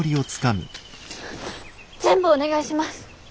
全部お願いします！